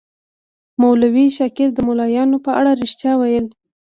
مولوي شاکر د ملایانو په اړه ریښتیا ویل.